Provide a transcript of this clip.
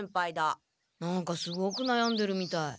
何かすごくなやんでるみたい。